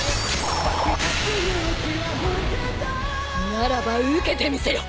ならば受けてみせよ。